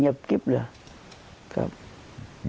เงียบกิบเลย